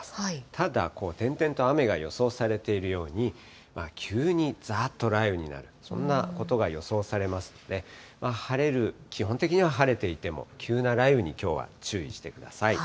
ただ、点々と雨が予想されているように、急にざーっと雷雨になる、そんなことが予想されますので、晴れる、基本的には晴れていても、急な雷雨にきょうは注意してください。